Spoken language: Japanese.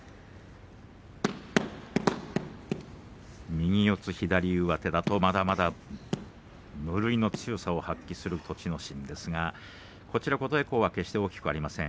右四つ左上手だとまだまだ無類の強さを発揮する栃ノ心ですが琴恵光は決して大きくありません。